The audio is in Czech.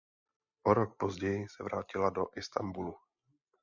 O rok později se vrátila do Istanbulu.